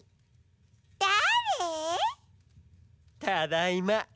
ただいま。